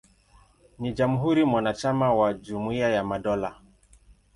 Ni jamhuri mwanachama wa Jumuiya ya Madola.